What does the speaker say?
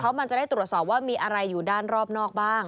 มันจะได้ตรวจสอบว่ามีอะไรอยู่ด้านรอบนอกบ้าง